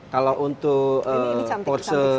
kalau untuk porsche